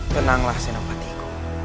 tenanglah senang hatiku